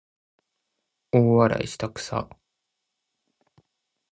大笑いしたくさ